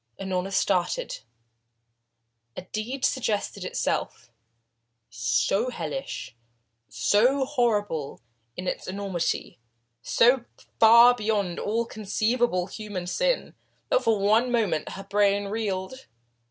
Unorna started. A deed suggested itself so hellish, so horrible in its enormity, so far beyond all conceivable human sin, that for one moment her brain reeled.